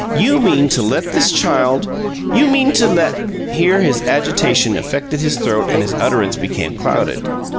You mean to let this child you mean to let " Here his agitation affected his throat and his utterance became clouded.